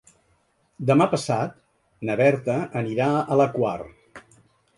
Demà passat na Berta anirà a la Quar.